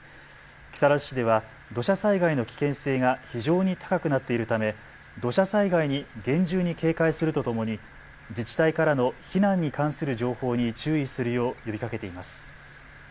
木更津市では土砂災害の危険性が非常に高くなっているため土砂災害に厳重に警戒するとともに自治体からの避難に関する情報に注意するよう呼びかけています。